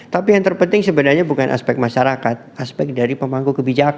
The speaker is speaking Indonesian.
tapi yang terpenting sebenarnya bukan aspek masyarakat aspek dari pemangku kebijakan